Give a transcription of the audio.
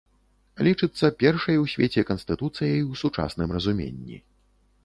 Лічыцца першай у свеце канстытуцыяй у сучасным разуменні.